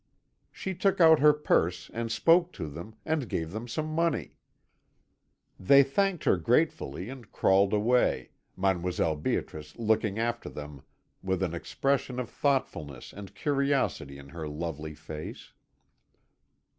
"She took out her purse, and spoke to them, and gave them some money. They thanked her gratefully, and crawled away, Mdlle. Beatrice looking after them with an expression of thoughtfulness and curiosity in her lovely face.